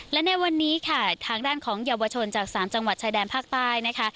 และในวันนี้ค่ะทางด้านของเยาวชนจาก๓จังหวัดชายแดนภาคใต้นะคะ